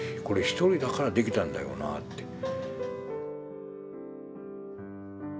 これ一人だからできたんだよなあって。